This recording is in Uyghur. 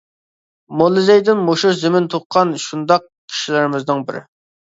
موللا زەيدىن مۇشۇ زېمىن تۇغقان شۇنداق كىشىلىرىمىزنىڭ بىرى.